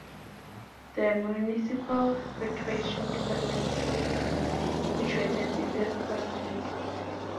The municipal recreation department is also situated in the facility.